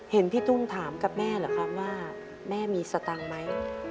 เห็นพี่ตุ้มถามกับแม่เหรอครับว่าแม่มีสตังค์ไหม